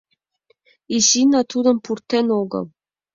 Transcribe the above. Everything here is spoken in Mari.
Изина тудым пуртен огыл.